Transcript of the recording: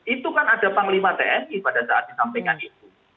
itu kan ada panglima tni pada saat disampaikan itu